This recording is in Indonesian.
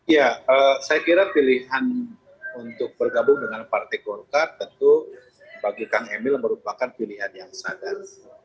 ya saya kira pilihan untuk bergabung dengan partai golkar tentu bagi kang emil merupakan pilihan yang sadar